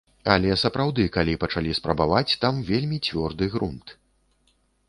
Але сапраўды, калі пачалі спрабаваць, там вельмі цвёрды грунт.